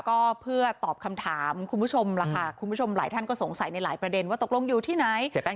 ก็เพื่อตอบคำถามคุณผู้ชมล่ะค่ะคุณผู้ชมหลายท่านก็สงสัยในหลายประเด็นว่าตกลงอยู่ที่ไหน